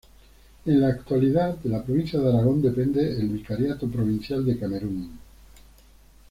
En la actualidad, de la Provincia de Aragón depende el Vicariato Provincial de Camerún.